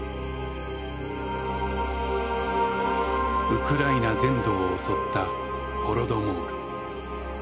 ウクライナ全土を襲ったホロドモール。